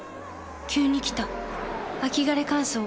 急に来た秋枯れ乾燥。